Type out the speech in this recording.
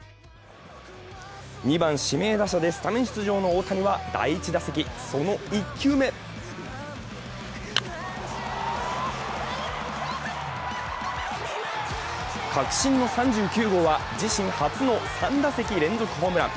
２番・指名打者でスタメン出場の大谷は第１打席、その１球目確信の３９号は自身初の３打席連続ホームラン。